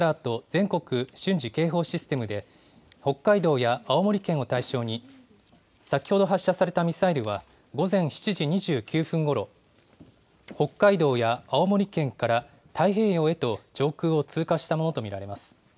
・全国瞬時警報システムで北海道や青森県を対象に、先ほど発射されたミサイルは、午前７時２９分ごろ、北海道や青森県から太平洋へと上空を通過したものと見られます。